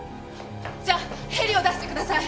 じゃあヘリを出してください！